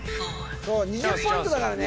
２０ポイントだからね